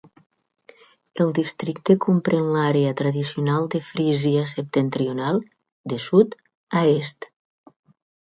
El districte comprèn l'àrea tradicional de Frísia Septentrional de sud a est.